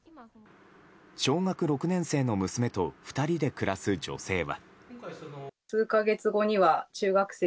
小学６年生の娘と２人で暮らす女性は。